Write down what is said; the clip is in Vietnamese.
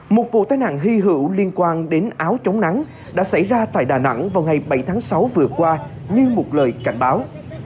một vụ tai nạn hy hữu liên quan đến áo chống nắng đã xảy ra tại đà nẵng vào ngày bảy tháng sáu vừa qua như một lời cảnh báo